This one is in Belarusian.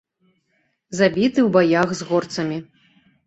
Забіты ў баях з горцамі.